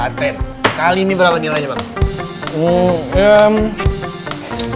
kali ini berapa nilainya bang